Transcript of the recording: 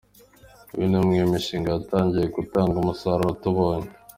Uyu ni umwe mu mishinga yatangiye gutanga umusaruro tubonye.